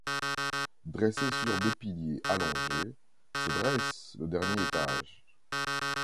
Dressé sur des piliers allongés, se dresse le dernier étage.